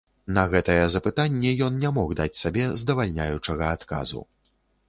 На гэтае запытанне ён не мог даць сабе здавальняючага адказу.